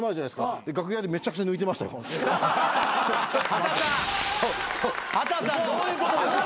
はたさんどういうことですか？